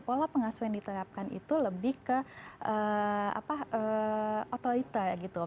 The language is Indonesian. pola pengasuhan yang diterapkan itu lebih ke otoriter gitu